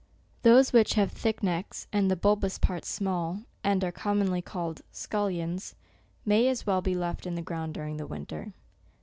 Those which have thick necks, and the bulbous parts small, and are commonly called scullions, may as well be left in ths ground during the winter.